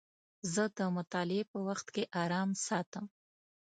زه د مطالعې په وخت کې ارام ساتم.